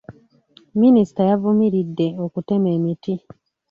Minisita yavumiridde okutema emiti .